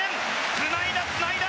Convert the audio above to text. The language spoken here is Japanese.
つないだ、つないだ。